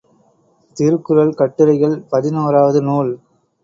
திருக்குறள் கட்டுரைகள் பதினோராவது நூல்.